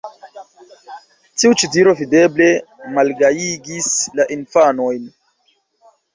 Tiu ĉi diro videble malgajigis la infanojn.